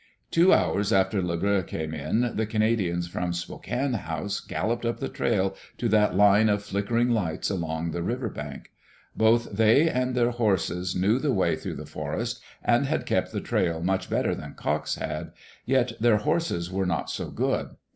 Two hours after Le Bleu came in, the Canadians from Spokane House galloped up the trail to that line of flick ering lights along the river bank. Both they and dieir Digitized by VjOOQ IC AN EXCITING HORSE RACE horses knew the way through the forest and had kept the trail much better than Cox had. Yet dieir horses were not so good.